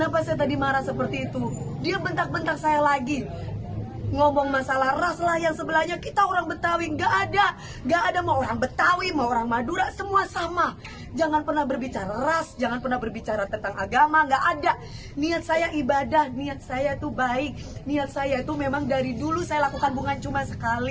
bapak ustaz saya ingin mengucapkan terima kasih kepada bapak ustaz saya ingin mengucapkan terima kasih kepada bapak ustaz